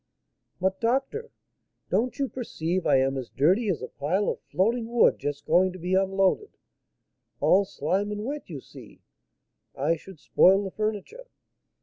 "But, doctor, don't you perceive I am as dirty as a pile of floating wood just going to be unloaded? all slime and wet, you see. I should spoil the furniture."